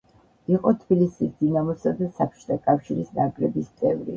იყო თბილისის „დინამოსა“ და საბჭოთა კავშირის ნაკრების წევრი.